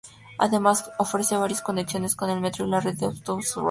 Además ofrece varias conexiones con el metro y la red de autobuses urbanos.